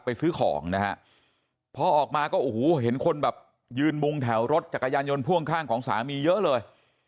ซื้อของนะฮะพอออกมาก็โอ้โหเห็นคนแบบยืนมุงแถวรถจักรยานยนต์พ่วงข้างของสามีเยอะเลย